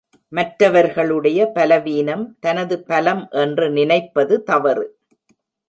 மற்றவர்களுடைய பலவீனம், தனது பலம் என்று நினைப்பது தவறு.